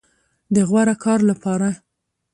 د غوره کار لپاره